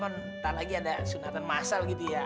ntar lagi ada sunatan masal gitu ya